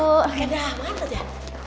oke dah mantap ya